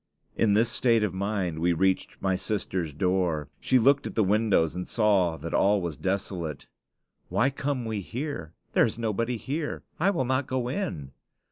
In this state of mind we reached my sister's door. She looked at the windows and saw that all was desolate. "Why come we here? There is nobody here. I will not go in."